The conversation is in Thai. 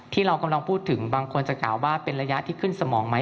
ที่เรากำลังพูดถึงบางคนจะกล่าวว่าเป็นระยะที่ขึ้นสมองไหม